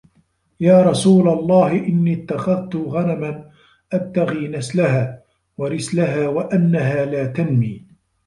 يَا رَسُولَ اللَّهِ إنِّي اتَّخَذْت غَنَمًا أَبْتَغِي نَسْلَهَا وَرِسْلَهَا وَأَنَّهَا لَا تَنْمِي